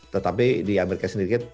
tetapi di amerika sendiri